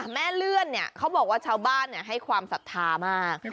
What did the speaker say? แม่เลื่อนเขาบอกว่าชาวบ้านให้ความศรัทธามาก